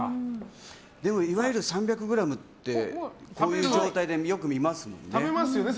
でもいわゆる３００ｇってそういう状態でよく見ますもんね。